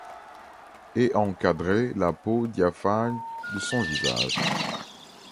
et encadraient la peau diaphane de son visage.